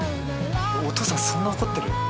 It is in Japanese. お父さんそんな怒ってる？